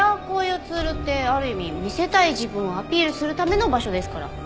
こういうツールってある意味見せたい自分をアピールするための場所ですから。